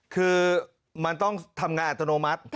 คือมันต้องทำงานอัตโนมัติ